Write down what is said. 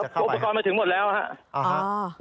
อุปกรณ์มาถึงหมดแล้วครับ